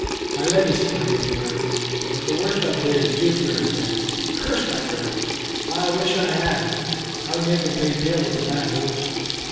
"My leg is sprained," he groaned; "but the worst of it is, Jupiter is dead. Curse that Rebel! how I wish I had him! I would make him pay dearly for that horse."